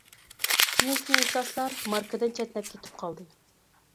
كېيىنكى ئىنكاسلار ماركىدىن چەتنەپ كېتىپ قالدى.